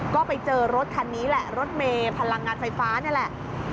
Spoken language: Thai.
ก็ไปเจอรถคันนี้แหละรถเมย์พลังงานไฟฟ้านี่แหละ